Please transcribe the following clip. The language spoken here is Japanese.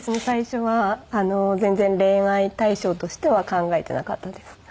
最初は全然恋愛対象としては考えてなかったです。